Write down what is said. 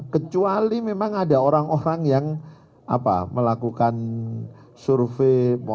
kecuali memang ada orang orang yang melakukan survei